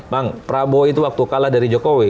bang prabowo itu waktu kalah dari jokowi